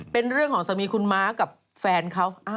เป็นเรื่องของสามีคุณม้ากับแฟนเขา